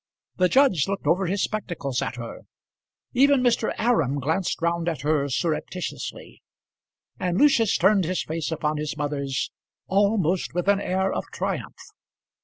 The judge looked over his spectacles at her. Even Mr. Aram glanced round at her surreptitiously; and Lucius turned his face upon his mother's, almost with an air of triumph.